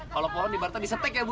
kalau pohon di barta disetek ya bu